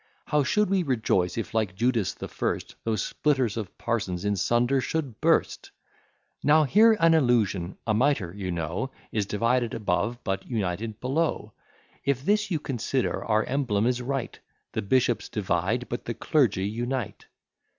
How should we rejoice, if, like Judas the first, Those splitters of parsons in sunder should burst! Now hear an allusion: A mitre, you know, Is divided above, but united below. If this you consider our emblem is right; The bishops divide, but the clergy unite.